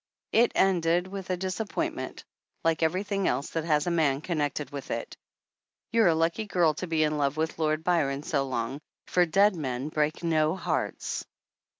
"It ended with a dis appointment like ^everything else that has a man connected with it! You're a lucky girl to 'be in love with Lord Byron so long, for dead men break no hearts!"